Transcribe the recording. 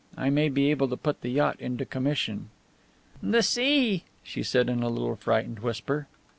I may be able to put the yacht into commission." "The sea!" she said in a little frightened whisper.